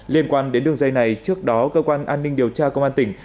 liên quan đến đường dây này trước đó cơ quan an ninh điều tra công an tỉnh